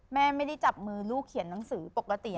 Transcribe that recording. แม่ไม่ได้จับมือลูกเขียนหนังสือปกติ